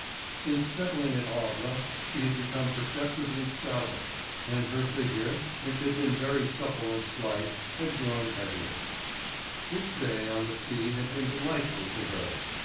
Since settling at Havre she had become perceptibly stouter, and her figure, which had been very supple and slight, had grown heavier. This day on the sea had been delightful to her.